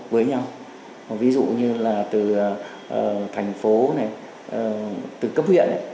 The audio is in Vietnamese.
với nhau ví dụ như là từ thành phố này từ cấp huyện